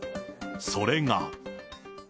それが。